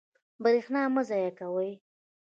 برښنا مه ضایع کوئ